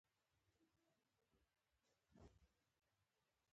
سیلابونه د افغانستان د اقلیمي نظام یو ښه ښکارندوی ده.